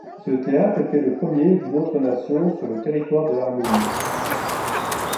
Ce théâtre était le premier d'une autre nation sur le territoire de l'Arménie.